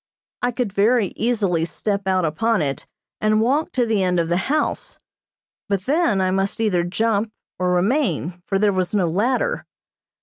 I could very easily step out upon it, and walk to the end of the house, but then I must either jump or remain, for there was no ladder.